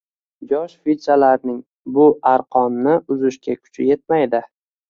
Yosh filchalarning bu arqonni uzishga kuchi etmaydi